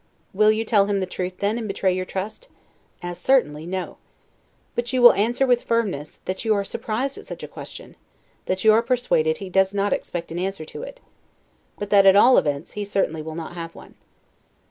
Will you tell him the truth then, and betray your trust? As certainly, No. But you will answer with firmness, That you are surprised at such a question, that you are persuaded he does not expect an answer to it; but that, at all events, he certainly will not have one.